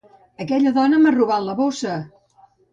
Aquella dona m'ha robat la bossa!